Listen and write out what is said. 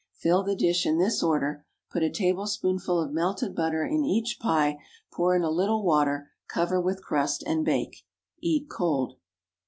Fill the dish in this order; put a tablespoonful of melted butter in each pie; pour in a little water; cover with crust, and bake. Eat cold.